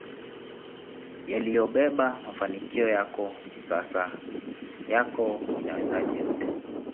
yaliyobeba mafanikio yako Sasa yako inawezaje yote